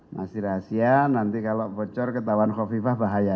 masih rahasia nanti kalau bocor ketahuan kofifah bahaya